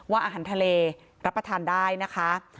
อาหารทะเลรับประทานได้นะคะ